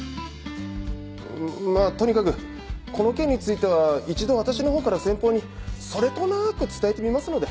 まぁとにかくこの件については一度私の方から先方にそれとなく伝えてみますので。